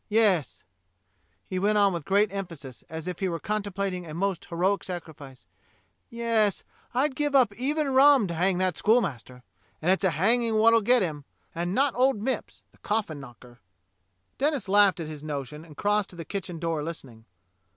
Yes," he went on with great emphasis, as if he were contemplating a most heroic sacrifice, "yes, I'd give up even rum to hang that schoolmaster, and it's a hanging what'll get him, and not old Mipps, the coflSn knocker." Denis laughed at his notion and crossed to the kitchen door listening.